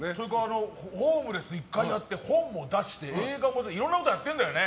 ホームレス１回やって本も出して、映画も出ていろんなことやってるんだよね。